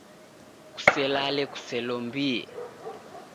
Kuselale kuselombie.